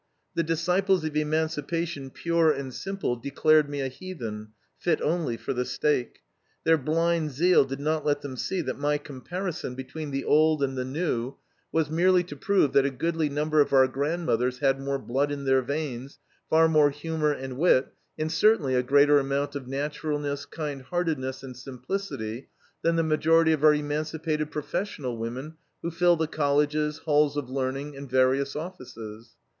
The disciples of emancipation pure and simple declared me a heathen, fit only for the stake. Their blind zeal did not let them see that my comparison between the old and the new was merely to prove that a goodly number of our grandmothers had more blood in their veins, far more humor and wit, and certainly a greater amount of naturalness, kind heartedness, and simplicity, than the majority of our emancipated professional women who fill the colleges, halls of learning, and various offices.